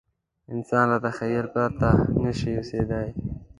انسان له تخیل پرته نه شي اوسېدای.